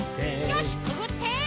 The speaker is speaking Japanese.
よしくぐって！